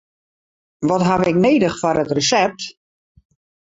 Wat haw ik nedich foar it resept?